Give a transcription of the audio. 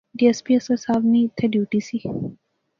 ڈی ایس پی اصغر صاحب نی ایتھیں ڈیوٹی سی